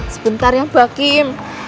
sebentar ya mbak kim